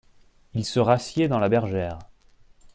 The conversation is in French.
Il se rassied dans la bergère.